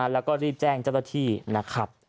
แล้วก็รีบแจ้งเจ้าหน้าที่นะครับ